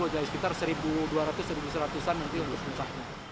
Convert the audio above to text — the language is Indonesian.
jadi sekitar satu dua ratus satu seratus an nanti bus puncaknya